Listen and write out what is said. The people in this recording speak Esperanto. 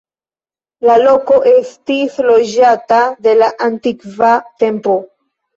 La loko estis loĝata de la antikva tempo.